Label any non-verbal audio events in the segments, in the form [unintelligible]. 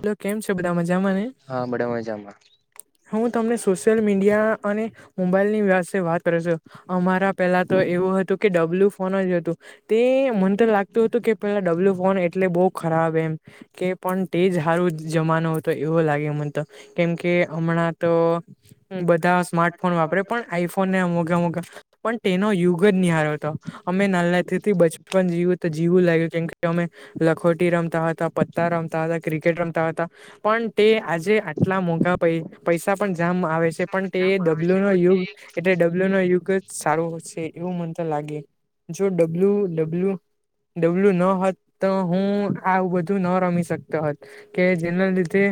Hello કેમ છે બધા મજામાંને હા બધા મજામાં હા હું તમને સોશિયલ મીડિયા અને મોબાઈલ ની વિસે વાત કર્યો છું અમારા પેલા તો એવું હતું કે ડબલ્યુ ફોન જ હતું તે મને તો લાગતું હતું કે પેલા ડબલ્યુ ફોન એટલે બહુ ખરાબ એમ કે પણ તે જ સારું જમાનું હતો એવો લાગે મને તો કેમકે હમણાં તો બધા સ્માર્ટફોન વાપરે પણ આઈફોનને મોગા મોગા પણ તેનો યુગ જ નિહારો હતો અમે નાનાથીથી બચપન જીવું તો જીવું લાગ્યું કેમ કે અમે લખોટી રમતા હતા પતા રમતા ક્રિકેટ રમતા હતા પણ તે આજે આટલા મોઘા પ પૈસા પણ જામ આવે છે પણ તે ડબલ્યુ નો યુગ એટલે ડબલ્યુ નો યુગ જ સારું એવું મનતા લાગે જો ડબલ્યુ ડબલ્યુ ડબલ્યુ ન હોત તો હું આવું બધું ન રમી શકતો હોત કે જેના લીધે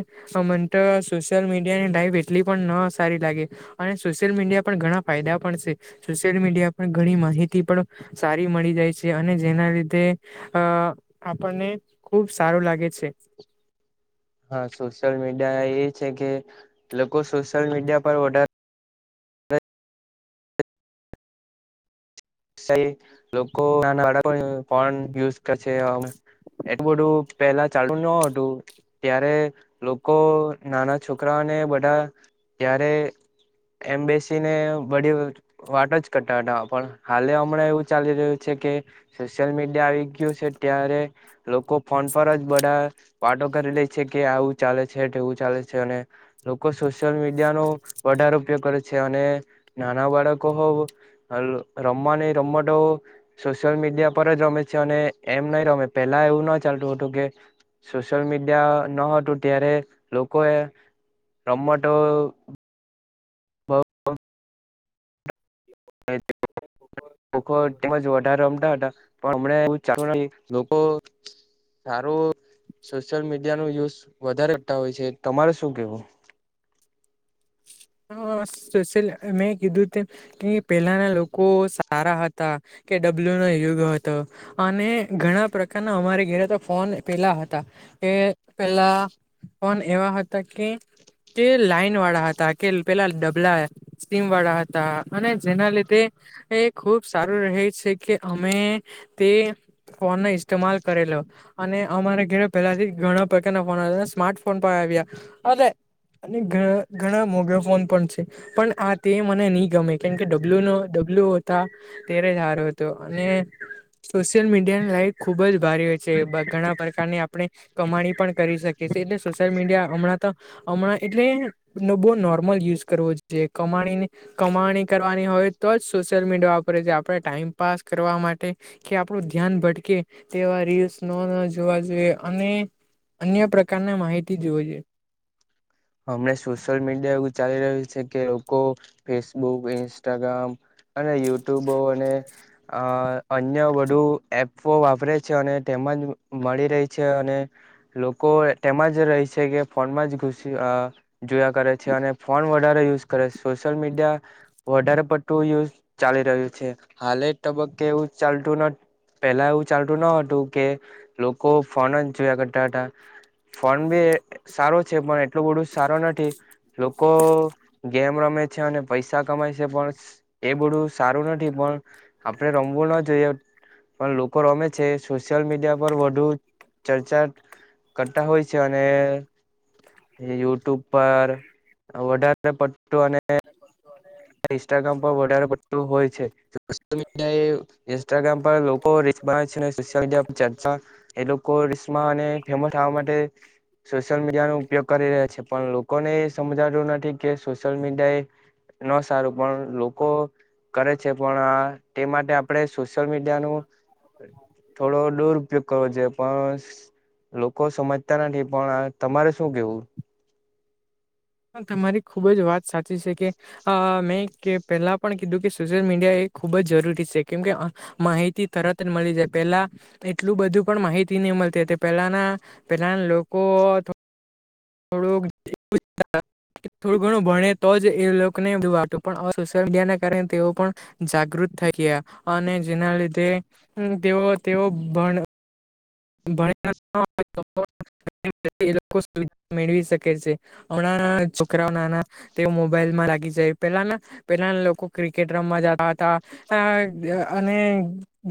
અમંત સુ મીની લ એટ પણ સારી લાગે અને સોશિલ મીડિયા પણ ઘણા ફાયદા પણ મી ઘ માહિતી પણ સારી મળી જાય છે અને જેના લીધે આપણને ખુબ સારું લાગે છે હા સોશિયલ મીડિયા એ છે કે લોકો સોશિયલ મીડિયા પર વધારે [unintelligible] એટલું બધું પેલા ચાલુ ન હતું ત્યારે લોકો નાના છોકરાઓ બધા ત્યારે એમબસી ને બ વાટો જ કટ પણ હાલે હમણાં એવું ચાલી રહ્યું છે કે સોશિયલ મીડિયા આવી ગયું છે ત્યારે લોકો ફોન પર જ બધા વાટો કરી લે છે કે આવું ચાલે છેવું ચાલે છે અને લોકો સોશિયલ મીડિયા નો વધારો કરે છે અને નાના બાળકો હો રમવા નહ રમવા તો સોશિયલ મીડિયા પર જ રમે છે અને એમ નહી રમે પેલા એવું ના ચાલે કે સોશિયલ મીડિયા ન હતું ત્યારે લોકો એ રમટો [inaudible] [unintelligible] લોકો સારું સોશિયલ મીડિયા ન યુઝ વધારે કરતા હોય છે તમારે શું કેવું [inaudible] સોલ મેં કીધું તેમ કે પેલાના લોકો સારા હતા કે ડબલ્યુ નો યુગ હતો અને ઘણા પ્રકારના અમારે ઘરે તો ફોન પેલા હતા એ પેલા ફન એવા હતા કે કે લાઈન વાળા હતા કે પેલા ડબલા સ્ટીમ વાળા હતા અને જેના લીધે. એ ખુબ સારું રહે છે કે અમે તે ફોનને ઇસ્માલ કરેલો. અને અમારા ઘેરે પેલાથી ઘણા પ્રકારના ફોન સ્માર્ટ ફોન પણ આવ્યા. અને ઘણા મોગાઈ ફોન પણ છે પણ આ તે મને નહી ગમે કેમ કે ડબલ્યુ નો. બ્લુ હતા તે્યારે સારો હતો અને સોશિયલ મીડિયાની લાઈટ ખુબ જ ભારી હોય છે. જે બ ઘણા. પ્રકારની આપણે કમાણી પણ કરી શકીએ છીએ એટલે સોશિયલ મીડિયા હમણાં તો હમણાં એટલે. નો બહુ નોર્મલ યુઝ કરવો જોઈએ કમાણી કમાણી કરવાની હોય તો જ. સોશિયલ મીડિયા ઉપર જે આપણે ટાઈમપાસ. કરવા માટે કે આપડું ધ્યાન ભટકે તેવા ર. જોવાઈ અને અન્ય પ્રકારના માહિતી જોવા જોઈએ. હમણાં સોશિયલ મીડિયા એવું ચાલી રહ્યું છે કે લોકો ફેસબુક ઇન્સ્ટાગ્રામ. અને યુટ્યુબો અને અ. અન્ય વુ એપો વાપરે છે અને તેમાં જ મળી રહી છે અને લોકો. તેમાં જ રહી છે કે ફોનમાં જ ઘુ. જોયા કરે છે અને ફોન વધારે યુઝ કરે છે સોશિયલ મીડિયા વધારે પડતું. યુ ચાલી રહ્યું છે હાલે તબક્કે એવું ચાલતું નથી. પેલા એવું ચાલતું ન હતું કે લોકો ફોન જ જોયા કરતા હતા. ફોન બી સારો છે પણ. એટલું બડું સારું નથી લોકો ગેમ રમે છે અને પૈસા કમાય છે પણ. એ બધું સારું નથી પણ આપણેે રમવું ના જોઈએ. પણ લોકો રમે છે સોશિયલ મીડિયા પર વધુ ચર્ચા. કરતા હોય છે અને. યુટ્યુબ પર વધારે પટ્ટું અને. ઇન્સ્ટાગ્રામ પર વધારે પ હોય છે મી ઇન્સ્ટાગ્રામ પર લોકો. બ છે સોશિયલ મીડિયા પર ચર્ચા એ લોકો રિશમાને ફેમસવા માટે. સોશિયલ મીડિયાનો ઉપયોગ કરી રહ્યા છે પણ લોકોને એ સમજાડ્યું નથી કે સોશિયલ મીડિયા એ. ન સારું પણ લોકો કરે છે પણ આ તે માટે આપણે સોશિયલ મીડિયાનું. થોડો દૂર ઉપયોગ કરવો જોઈએ પણ. લોકો સમજતા નથી પણ તમારે શું કેવું. હ તમારી ખુબ જ વાત સાચી છે કે અ મેં પહેલા પણ કીધું કે સોશિયલ મીડિયા એ. ખૂબ જ જરૂરી છે કેમ કે માહિતી તરત જ મળી જાય પેલા એટલું બધું પણ માહિતી. મળતી હતી પહેલાના પેલાના લોકો. ડો જેછ. થોડું ઘણું ભણે તો જ એ લોકો ને બધું વાતું પણ સોશિયલ મીડિયા ના કારણે તેઓ પણ. જાગૃત થઈ ગયા અને જેના લીધે તેઓ તેઓ ભણ. ભ [unintelligible] એ લોકો સુિધ મેળવી શકે છે હમણાં. છોકરાઓ નાના તે મોબાઈલમાં લાગી જાય પેલા પેલાના લોકો ક્રિકેટ રમવા જતા હતા. અને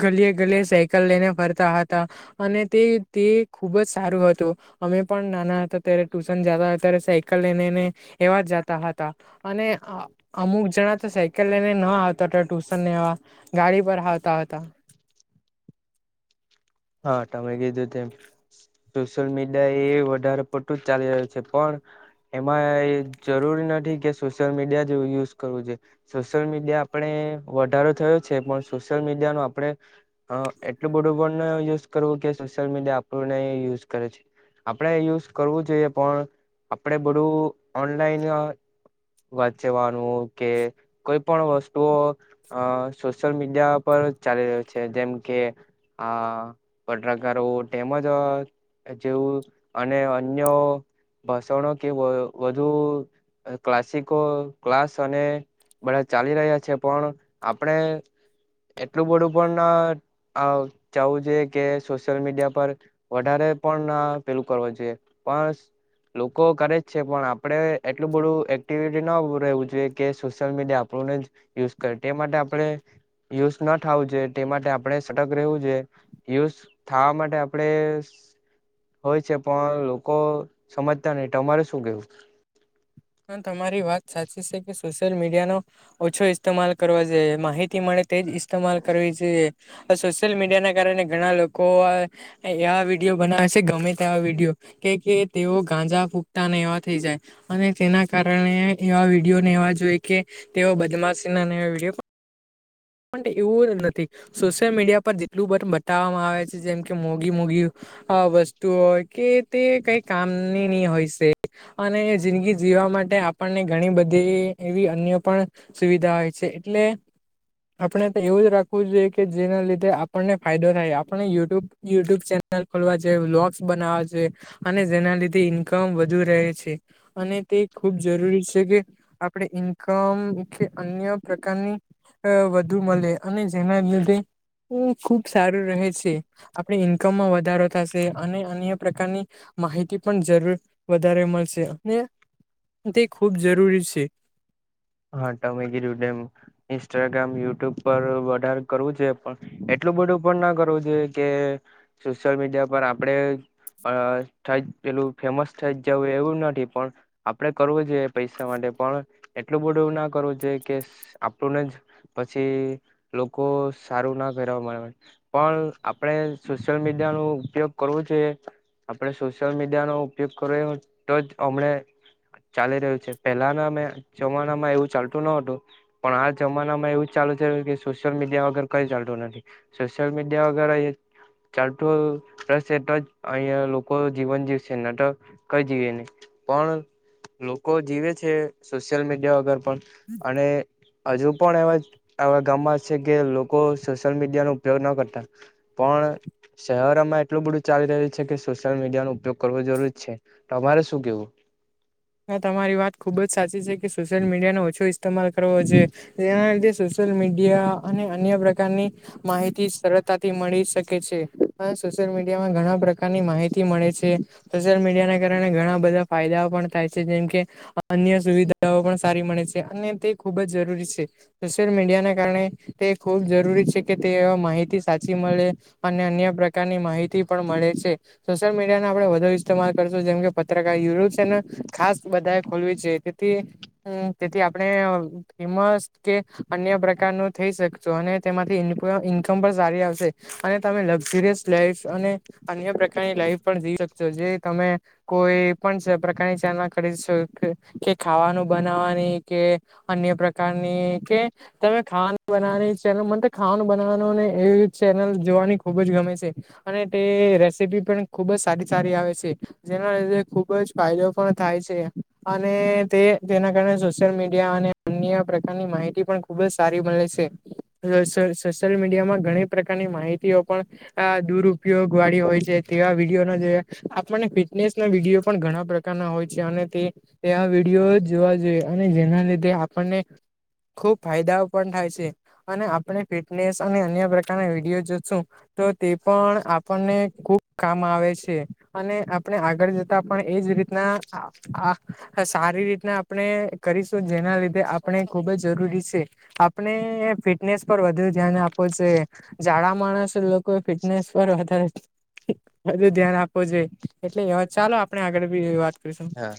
ગલીય ગલીએ સાયકલ લઈને ફરતા હતા. અને તે તે ખુબ જ સારું હતું અમે પણ નાના હતા ત્યારે ટ્યુશન જતા હતા ત્યારે સાયકલ. એવા જતા હતા અને અમુક જણા તો સાયકલ લઈને ન આવતા. ટુશન નેવા ગાડી પર આવતા હતા. હા ટમેગ જુંધમ. [inaudible] સોશિયલ મીડિયા એ વધારે પતું જ ચાલી રહ્યું છે પણ. એમાં એ જરૂરી નથી કે સોશિયલ મીડિયા જેવું યુઝ કરવું જોઈએ સોશિયલ મીડિયા. આપણે વધારો થયો છે પણ સોશિયલ મીડિયા ન આપણે એટલું બધું પણ. યુઝ કરવું કે સોશિયલ મીડિયા આપણને યુઝ કરે છે. આપણેે યુઝ કરવું જોઈએ પણ આપણેે બધું ઓનલાઈન. વાચવાનું કે કોઈ પણ વસ્તુઓ અ સોશિયલ મીડિયા પર ચાલી રહ્યો છે જેમ કે આ પત્રકારો તેમજ જેવું અને અન્ય ભાષણો કે વધુ ક્લાસિકો ક્લાસ અને બધા ચાલી રહ્યા છે પણ આપણે એટલું બધું પણ ચાવું છે કે સોશિયલ મીડિયા પર વધારે પણ પેલું કરવું જોઈએ પણ લોકો કરે જ છે પણ આપડે એટલું બધું એક્ટિવિટી ન રહેવું જોઈએ કે સોશિયલ મીડિયા આપડ યુ કરે તે માટે આપણે યુઝ ના થાવું છે તે માટે આપણે સટક રહેવું જો યુઝ થાવા માટે આપડે હોય છે પણ લોકો સમજતા નહ તમારે શું કેવું તમારી વાત સાચી છે કે સોશિયલ મીડિયા નો ઓછો ઇસ્તેમાલ કરવા જોઈએ માહિતી મળે તેજ ઇતેમાલ કરવી છે સોશિયલ મીડિયા ના કારણે ઘણા લોકો આ વિડીયો બનાવેશે ગમે તે આ વિડીયો કે કે તેઓ ગાંજા ફૂકતા ને એવા થઈ જાય અને તેના કારણે એવા વિડીિયોનેવા જોઈ કે તેઓ બદમાશના વિડીયો પણ એવું જ નથી સોશિયલ મીડિયા પર જેટલું બતાવવામાં આવે છે જેમ કે મોઘી મોગી અ વસ્તુ હોય કે તે કઈ કામની નની હોય છે અને જિંદગી જ વા માટે આપણને ઘણી બધી એવી અન્ય પણ સુવિધા હોય છે એટલે આપણે એવું જ રાખવું જોઈએ કે જેના લીધે આપણને ફાયદો થાય આપણે યુટ્યુબ યુટ્યુબ ચેનલ ખોલવા છે બલોગસ બનાવા છે અને જેના લીધે ઈન્કમ વધુ રહે છે અને તે ખૂબ જરૂરી છે કે આપણે ઇન્કમ કે અન્ય પ્રકારની ડુમલે અને ઝ મિલતે હ ખુબ સારું રહે છે આપણી ઈન્કમમાં વધારો થશે અને અન્ય પ્રકારની માહિતી પણ જરૂર વધારે મળશે અને તે ખૂબ જરૂરી છે હા ટમે ગીેમ ઇન્સ્ટાગ્રામ યુટ્યુબ પર વધારે કરવું છે પણ એટલું ડું પણ ના કરવું જોઈએ કે સોશયલ મીડિયા પર આપણેે અ થઈ જ પેલું ફેમસ થઈ જ જવું એવું નથી પણ આપડે કરવું જોઈએ પૈસા માટે પણ એ એટલું બધું એવું ના કરવું જો કે આપણુંને જ પછી લોકો સારું ના કરે પણ આપણે સોશિયલ મીડિયા ન ઉપયોગ કરવો છે આપણે સોશિયલ મીડિયાનોો ઉપયોગ કરવ તો જ હમણે ચાલી રહ્યું છે પેલાના મેમે જમાના માં એવું ચાલતું ન હતું પણ આ જમાના માં એવું ચાલુ છે કે સોશિયલ મીડિયા વગર કઈ ચાલતું સોશલ મીડિયા વગેરે ચાલો ર તો જ અહિયાંયા લોકો જીવન જીવશે નાટ કઈ જીવે નહી પણ લોકો જીવે છે સોશિયલ મીડિયા વગર પણ અને હજુ પણ એવા ગામમાં છે કે લોકો સોશિયલ મીડિયા નો ઉપયોગ ન કરતા પણ પણ શહેરમાં એટલું બધું ચાલી રહ્યું છે કે સોશિયલ મીડિયા ન ઉપયોગ કરવો જરૂર છે તો અમારે શું કેવું હ તમારી વાત ખૂબ જ સાચી છે કે સોશિયલ મીડિયાનો ઓછો માલ કરવો જોઈએ એના લીધે સોશિયલ મીડિયા અને અન્ય પ્રકારની માહિતી સરળતાથી મળી શકે છે સોશિયલ મીડિયા માં ઘણા પ્રકારની માહિતી મળે છે સોશિયલ મીડિયાને કારણે ઘણા બધા ફાયદાઓ પણ થાય છે જેમ કે અન્ય સુવિધાઓ પણ સારી મળે છે અને તે ખુબ જ જરૂરી છે મીડ કારણે તે ખૂબ જરૂરી છે કે તે માહિતી સાચી મળે અને અન્ય પ્રકારની માહિતી પણ મળે છે સોશિયલ મીડિયા આપણે વધુ ઇસ્તેમાલ કરશું જેમ કે પત્રકાર યુનલ ખાસ બધા એ ખોલવી છે તેથી તેથી આપણે ફેમસ કે અન્ય પ્રકાર ન થઈ શકશો અને તેમાંથી ઇન્કમ પણ સારી આવશે અને તમે લક્ઝરિયસ લાઇફ્સ અને અન્ય પ્રકારની લાઈફ પણ જીવી શકશો જે તમે કોઈ પણ પ્રકારની ના કરી શકે કે ખાવાનું બનાવાની કે અન્ય પ્રકારની કે તમે ખાવાનું બનાવાની ચેનલ મને તો ખાવાનું બનાવાનું ને એવી ચેનલ જોવાની ખુબ જ ગમે છે. અને તે રેસીપી પણ ખુબ જ સારી સારી આવે છે જેના લીધે ખુબ જ ફાયદો પણ થાય છે અને તેના કારણે સોશિયલ મીડિયા અને અન્ય પ્રકારની માહિતી પણ ખુબ જ સારી મળે છે સોશિયલ મીડિયા માં ઘણી પ્રકારની માહિતીઓ પણ આ દુરઉપયોગ વાળી હોય છે તેવા વિડીયોનો જોયા આપણને ફિટનેસના વિડીયો પણ ઘણા પ્રકારના હોય છે અને તે એ આ વિડીયો જોવા જોઈએ અને જેના લીધે આપણને ખુબ ફાયદાઓ પણ થાય છે અને આપણે ફિટનેસ અને અન્ય પ્રકારના વિડીયો જોશું તો તે પણ આપણને ખુબ કામ આવે છે અને આપણે આગળ જતા પણ એજ રીતે ના [inaudible] સારી રીતના આપણે કરીશું જેના લીધે આપણે ખુબ જ જરૂરી છે આપણે ફિટનેસ પર વધુ ધ્યાન આપવુ જોઈએ જાડા માણસ કોઈ ફિટનેસ પર વધારે વધુ ધ્યાન આપવું જોઈએ એટલે ચાલો આપણે આગળ એવી વાત કરીશું. હા